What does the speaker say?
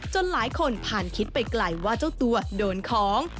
หลายคนผ่านคิดไปไกลว่าเจ้าตัวโดนของ